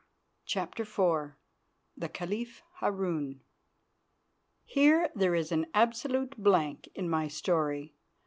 CHAPTER IV THE CALIPH HARUN Here there is an absolute blank in my story.